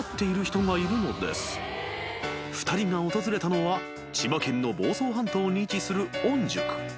［２人が訪れたのは千葉県の房総半島に位置する御宿］